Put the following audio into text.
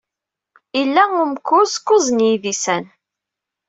Ila umekkuẓ kkuẓ n yidisan.